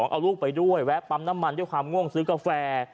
เอาลูกไปด้วยแวะปั๊มน้ำมันด้วยความง่วงซื้อกาแฟ